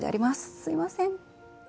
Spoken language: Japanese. すみません。